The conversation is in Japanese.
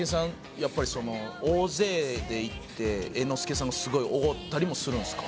やっぱりその大勢で行って猿之助さんがすごい奢ったりもするんすか？